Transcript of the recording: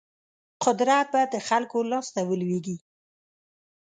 قدرت به د خلکو لاس ته ولویږي.